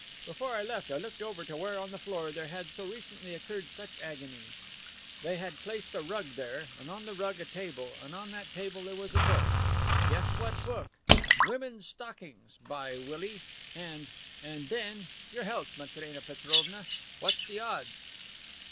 Before I left I looked over to where on the floor there had so recently occurred such agony. They had placed a rug there and on the rug a table, and on that table there was a book. Guess what book. 'Women's Stockings,' by Willy! And and then Your health, Matrena Petrovna. What's the odds!"